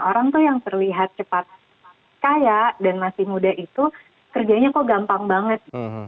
orang tuh yang terlihat cepat kaya dan masih muda itu kerjanya kok gampang banget